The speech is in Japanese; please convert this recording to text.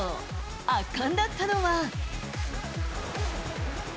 圧巻だったのは。